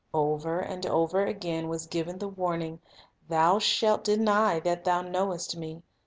Over and over again was given the warning, "Thou shalt ... deny that thou knowest Me."